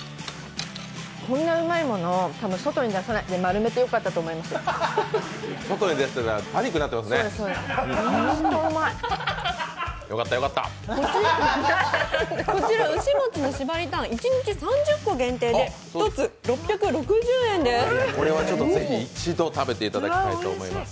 こんなうまいもの外に出さないで丸めてよかったと思います。